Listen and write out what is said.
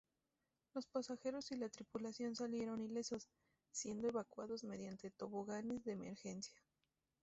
Los pasajeros y la tripulación salieron ilesos, siendo evacuados mediante toboganes de emergencia.